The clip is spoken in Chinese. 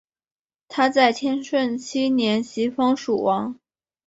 他在天顺七年袭封蜀王。